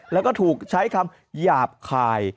แล้วก็ถูกใช้คำหยาบคาย